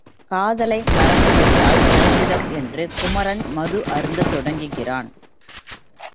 காதலை மறந்துவிட்டாள் ரஞ்சிதம் என்று குமரன் மது அருந்தத் தொடங்குகிறான்.